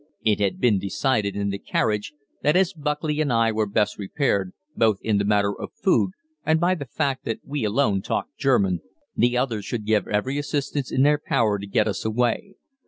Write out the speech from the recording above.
It had been decided in the carriage that as Buckley and I were best prepared, both in the matter of food and by the fact that we alone talked German, the others should give every assistance in their power to get us away.